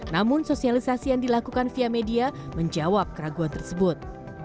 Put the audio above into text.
namun sosialisasi yang dilakukan via media menjawab keraguan tersebut